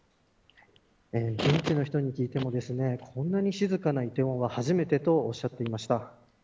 現地の人に聞いてもこんなに静かな梨泰院は初めてとおっしゃっていました。